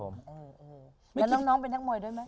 แล้วน้องเป็นนักมวยด้วยไหม